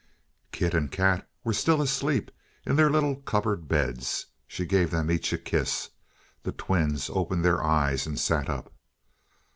Kit and Kat were still asleep in their little cupboard bed. She gave them each a kiss. The twins opened their eyes and sat up.